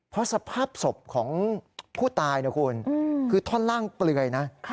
เพราะสภาพศพของผู้ตายนะคุณคือท่อนล่างเปลือยนะ